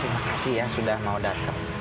terima kasih ya sudah mau datang